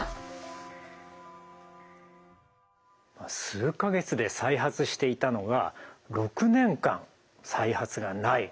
数か月で再発していたのが６年間再発がない。